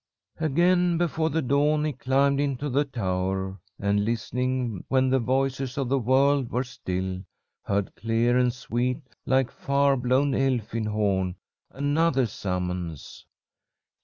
"Again before the dawn he climbed into the tower, and, listening when the voices of the world were still, heard clear and sweet, like far blown elfin horn, another summons.